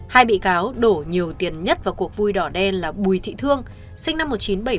hai bị cáo đổ nhiều tiền nhất vào cuộc vui đỏ đen là bùi thị thương sinh năm một nghìn chín trăm bảy mươi